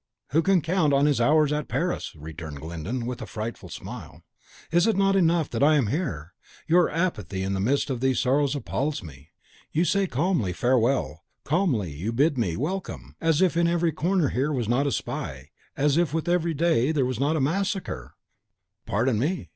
"Who can count on his hours at Paris?" returned Glyndon, with a frightful smile. "Is it not enough that I am here! Your apathy in the midst of these sorrows appalls me. You say calmly, 'Farewell;' calmly you bid me, 'Welcome!' as if in every corner there was not a spy, and as if with every day there was not a massacre!" "Pardon me!